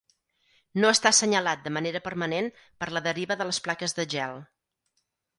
No està senyalat de manera permanent per la deriva de les plaques de gel.